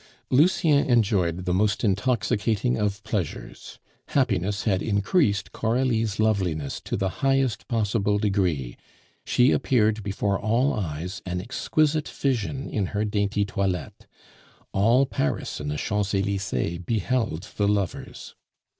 Lucien enjoyed the most intoxicating of pleasures; happiness had increased Coralie's loveliness to the highest possible degree; she appeared before all eyes an exquisite vision in her dainty toilette. All Paris in the Champs Elysees beheld the lovers.